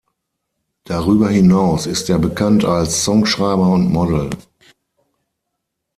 Darüber hinaus ist er bekannt als Songschreiber und Model.